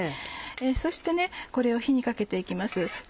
そしてこれを火にかけて行きます。